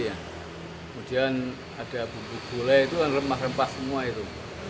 kemudian ada bumbu gulai itu kan rempah rempah semua itu